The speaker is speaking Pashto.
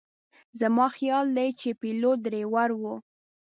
زما خیال دی چې پیلوټ ډریور و.